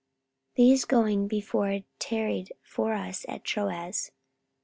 44:020:005 These going before tarried for us at Troas.